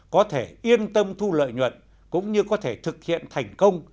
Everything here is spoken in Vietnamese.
có thể yên tâm thu lợi nhuận cũng như có thể thực hiện thành công